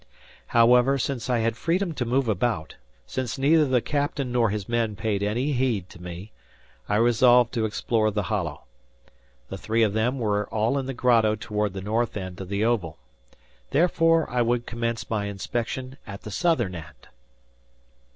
However, since I had freedom to move about, since neither the captain nor his men paid any heed to me, I resolved to explore the hollow. The three of them were all in the grotto toward the north end of the oval. Therefore I would commence my inspection at the southern end.